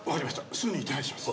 すぐに手配します。